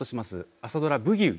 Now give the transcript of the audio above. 朝ドラ「ブギウギ」。